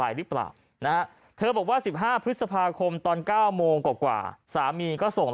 หรือเปล่านะฮะเธอบอกว่า๑๕พฤษภาคมตอน๙โมงกว่าสามีก็ส่ง